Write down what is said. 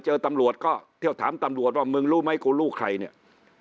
เจอตำรวจก็เที่ยวถามตำรวจว่ามึงรู้ไหมกูรู้ใครเนี่ย